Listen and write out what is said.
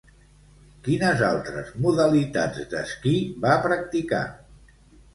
Quines altres modalitats d'esquí va practicar?